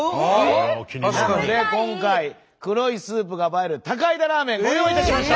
なので今回黒いスープが映える高井田ラーメンご用意いたしました！